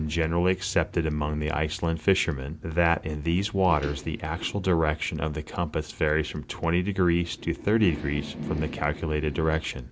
generally accepted among the Iceland fishermen, that in these waters the actual direction of the compass varies from 20° to 80° from the calculated direction.